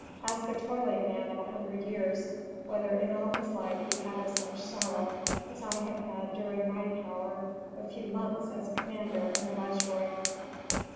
Ask a toiling man of a hundred years whether in all his life he had as much sorrow as I have had during my power of a few months as commander and viceroy."